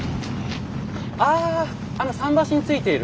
ああの桟橋に着いている。